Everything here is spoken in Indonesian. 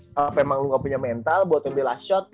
kalo emang lu ga punya mental buat ambil last shot